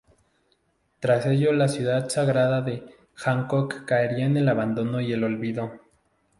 Tras ello la ciudad sagrada de Angkor caería en el abandono y el olvido.